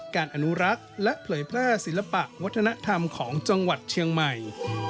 อนุรักษ์และเผยแพร่ศิลปะวัฒนธรรมของจังหวัดเชียงใหม่